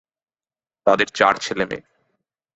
তাদের চার ছেলেমেয়ে।